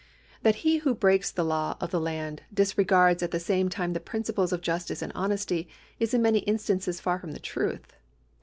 That he who breaks the law of the land disre gards at the same time the principles of justice and honesty is in many instances far from the truth.